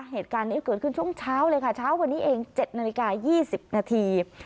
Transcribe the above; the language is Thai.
เหตุการณ์นี้เกิดขึ้นช่วงเช้าเลยค่ะเช้าวันนี้เอง๗นาฬิกา๒๐นาที